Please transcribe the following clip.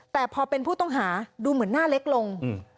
แต่พอเป็นผู้ต้องหาดูเหมือนหน้าเล็กลง